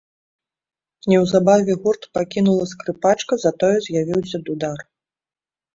Неўзабаве гурт пакінула скрыпачка, затое з'явіўся дудар.